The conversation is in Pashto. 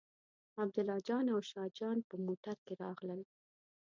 عبیدالله جان او شاه جان په موټر کې راغلل.